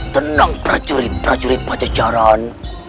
tenang prajurit prajurit pajajaran